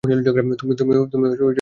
তুমি নকল তারকা।